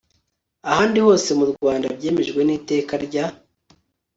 ahandi hose mu rwanda byemejwe n iteka rya